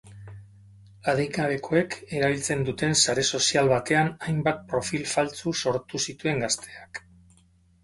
Adingabekoek erabiltzen duten sare sozial batean hainbat profil faltsu sortu zituen gazteak.